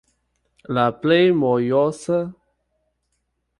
La plej mojosa-